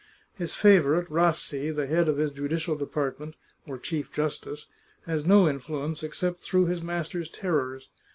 His favourite, Rassi, the head of his judicial department (or chief justice) has no influence except through his master's terrors.